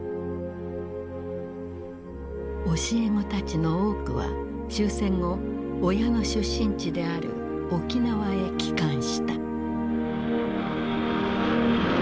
教え子たちの多くは終戦後親の出身地である沖縄へ帰還した。